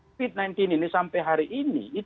covid sembilan belas ini sampai hari ini